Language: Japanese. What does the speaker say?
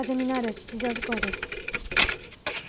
吉祥寺校です。